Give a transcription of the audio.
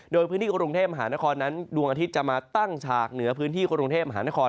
โดยพื้นที่กรุงเทพมหานครนั้นดวงอาทิตย์จะมาตั้งฉากเหนือพื้นที่กรุงเทพมหานคร